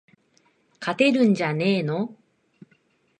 勝てるんじゃねーの